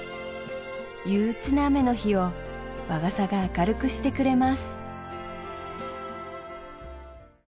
憂うつな雨の日を和傘が明るくしてくれます